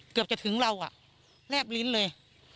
เกือบจะถึงเราแลบลิ้นเลย